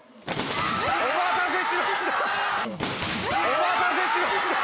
お待たせしました！